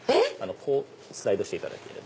こうスライドしていただければ。